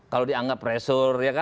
kalau dianggap presur